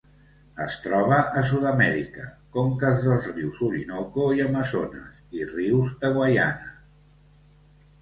Es troba a Sud-amèrica: conques dels rius Orinoco i Amazones, i rius de Guaiana.